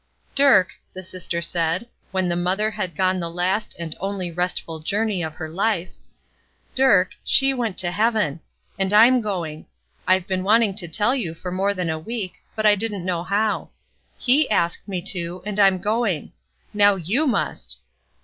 "Dirk," the sister said, when the mother had gone the last and only restful journey of her life, "Dirk, she went to heaven; and I'm going. I've been wanting to tell you for more than a week, but I didn't know how. He asked me to, and I'm going. Now you must.